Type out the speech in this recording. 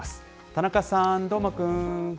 田中さん、どーもくん。